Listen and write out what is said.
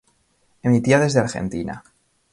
Emitía desde Argentina.